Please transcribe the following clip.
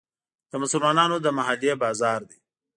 د مسلمانانو د محلې بازار دی.